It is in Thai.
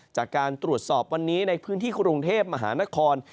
จากการตรวจสอบวันนี้ในพื้นที่กรุงเทพมหานคร